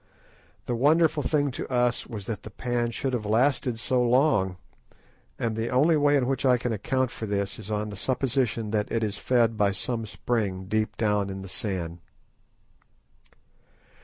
The wonderful thing to us was that the pan should have lasted so long, and the only way in which I can account for this is on the supposition that it is fed by some spring deep down in the sand.